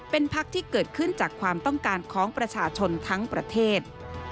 เป็นพักที่เกิดขึ้นจากความต้องการของประชาชนทั้งประเทศ